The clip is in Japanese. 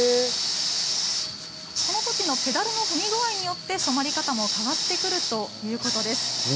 ペダルの踏み具合によって染まり方も変わってくるということです。